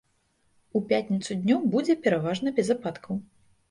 У пятніцу днём будзе пераважна без ападкаў.